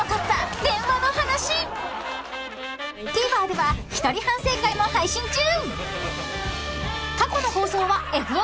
［ＴＶｅｒでは一人反省会も配信中］